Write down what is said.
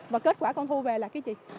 và kết quả con thu về là cái gì